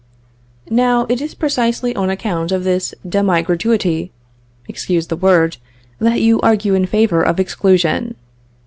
"Now it is precisely on account of this demi gratuity (excuse the word) that you argue in favor of exclusion.